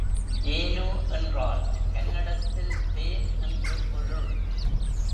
Jan என்றால் கன்னடத்தில் தேன் என்று பொருள்.